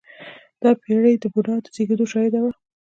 • دا پېړۍ د بودا د زېږېدو شاهده هم وه.